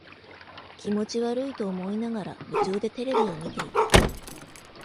気持ち悪いと思いながら、夢中でテレビを見ていた。